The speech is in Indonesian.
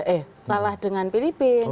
eh kalah dengan filipina